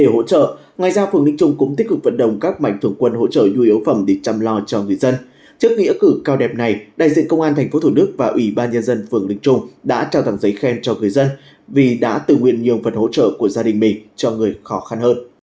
hãy đăng kí cho kênh lalaschool để không bỏ lỡ những video hấp dẫn